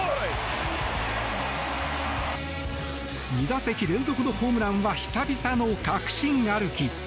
２打席連続のホームランは久々の確信歩き。